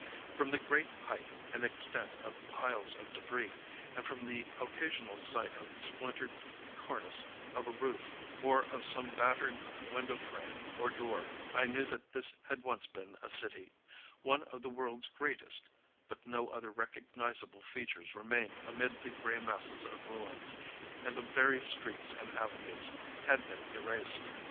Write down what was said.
From the great height and extent of the piles of debris, and from the occasional sight of the splintered cornice of a roof or of some battered window frame or door, I knew that this had once been a city, one of the world's greatest; but no other recognizable feature remained amid the gray masses of ruins, and the very streets and avenues had been erased.